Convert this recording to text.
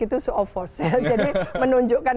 itu so of force jadi menunjukkan